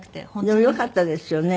でもよかったですよね。